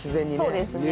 そうですね。